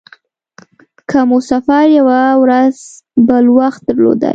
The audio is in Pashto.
که مو سفر یوه ورځ بل وخت درلودلای.